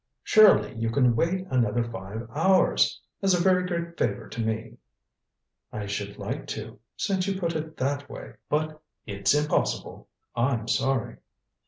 Surely you can wait another five hours as a very great favor to me." "I should like to since you put it that way but it's impossible. I'm sorry."